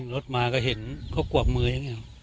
รถมาก็เห็นเขากวบมืออย่างนี้